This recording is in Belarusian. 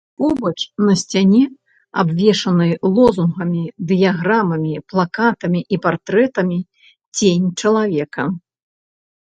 Побач на сцяне, абвешанай лозунгамі, дыяграмамі, плакатамі і партрэтамі, цень чалавека.